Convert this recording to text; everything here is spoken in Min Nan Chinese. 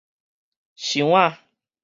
箱仔